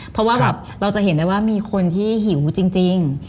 เพราะว่าแบบเราจะเห็นได้ว่ามีคนที่หิวจริง